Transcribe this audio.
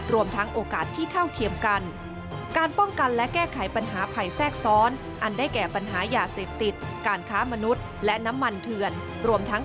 รวมทั้งการกระทำที่ผิดกฎหมายต่าง